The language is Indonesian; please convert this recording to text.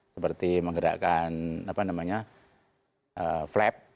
seperti menggerakkan flap